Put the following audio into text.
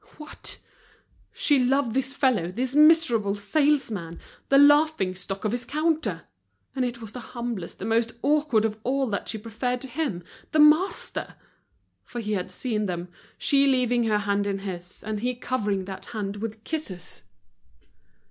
What! she loved this fellow, this miserable salesman, the laughingstock of his counter! and it was the humblest, the most awkward of all that she preferred to him, the master! for he had seen them, she leaving her hand in his, and he covering that hand with kisses.